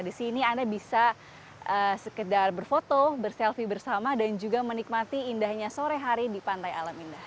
di sini anda bisa sekedar berfoto berselfie bersama dan juga menikmati indahnya sore hari di pantai alam indah